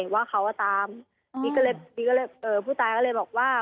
ว่าเขาตามบิ๊กเกอร์เล็กผู้ตายก็เลยบอกว่า